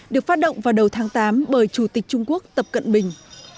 được phát động vào đầu tháng tám bởi chủ tịch trung quốc tập cận bình